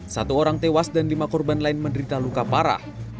satu orang tewas dan lima korban lain menderita luka parah